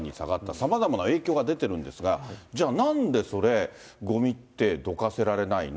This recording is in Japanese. さまざまな影響が出てるんですが、じゃあなんでそれ、ごみってどかせられないの？